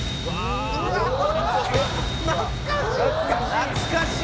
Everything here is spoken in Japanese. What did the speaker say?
「懐かしい！」